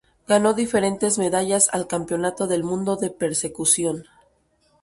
Ganó diferentes medallas al Campeonato del mundo de persecución.